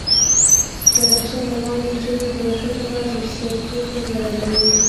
بدخشان د افغان نجونو د پرمختګ لپاره فرصتونه برابروي.